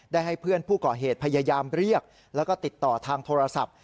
ให้เพื่อนผู้ก่อเหตุพยายามเรียกแล้วก็ติดต่อทางโทรศัพท์